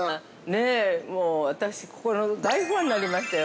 ◆ねえ、もう私ここの大ファンになりましたよ。